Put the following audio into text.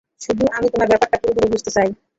তবু আমি তোমার ব্যাপারটা পুরোপুরি বুঝতে চাই।